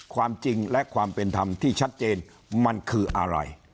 ความจริงและความเป็นธรรมที่ชัดเจนมันคืออะไร